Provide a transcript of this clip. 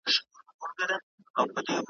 زه هوښیار یم خوله به څنګه خلاصومه ,